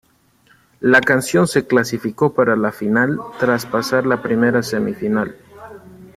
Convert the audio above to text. La canción se clasificó para la final tras pasar la primera semifinal.